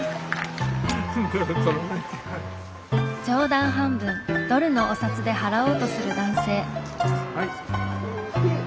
冗談半分ドルのお札で払おうとする男性。